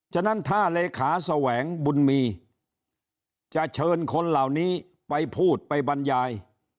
ฉะนั้นถ้าเลขาแสวงบุญมีจะเชิญคนเหล่านี้ไปพูดไปบรรยาย